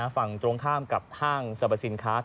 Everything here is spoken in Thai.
ฝั่งตรงข้ามกับห้างสรรพสินค้า